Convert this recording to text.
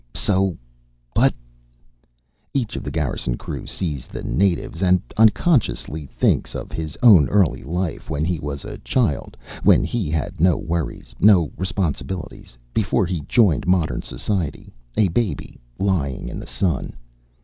"So? But " "Each of the Garrison crew sees the natives and unconsciously thinks of his own early life, when he was a child, when he had no worries, no responsibilities, before he joined modern society. A baby lying in the sun.